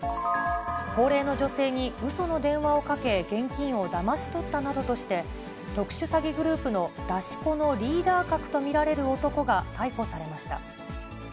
高齢の女性にうその電話をかけ、現金をだまし取ったなどとして、特殊詐欺グループの出し子のリーダー格と見られる男が逮捕されました。